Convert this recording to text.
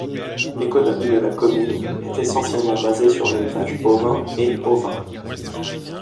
L'économie de la commune est essentiellement basée sur l'élevage bovin et ovin.